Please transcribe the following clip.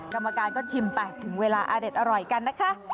กรรมการก็ชิมไปถึงเวลาอเด็ดอร่อยกันนะคะ